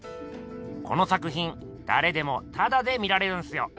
この作品だれでもタダで見られるんすよ。